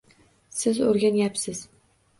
Siz o’rganayapsiz